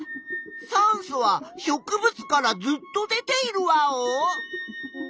酸素は植物からずっと出ているワオ？